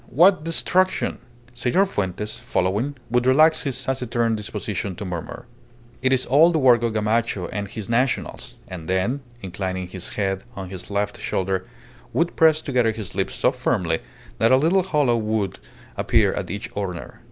What destruction!" Senor Fuentes, following, would relax his taciturn disposition to murmur "It is all the work of Gamacho and his Nationals;" and then, inclining his head on his left shoulder, would press together his lips so firmly that a little hollow would appear at each corner.